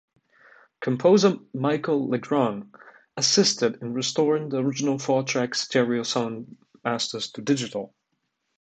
Composer Michel Legrand assisted in restoring the original four-track stereo sound masters to digital.